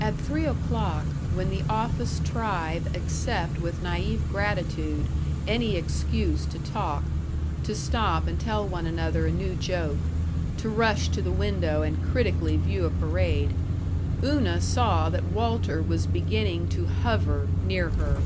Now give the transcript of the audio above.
At three o'clock, when the office tribe accept with naïve gratitude any excuse to talk, to stop and tell one another a new joke, to rush to the window and critically view a parade, Una saw that Walter was beginning to hover near her.